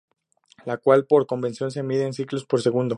La cual por convención se mide en ciclos por segundo.